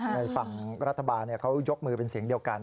ในฝั่งรัฐบาลเขายกมือเป็นเสียงเดียวกัน